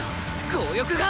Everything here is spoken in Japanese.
強欲が！